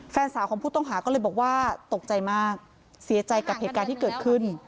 แฟนสาวของผู้ต้องหาก็เลยบอกว่าตกใจมากเสียใจกับเหตุการณ์ที่เกิดขึ้น